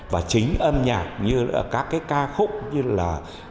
và chính âm nhạc như là các cái ca khúc như là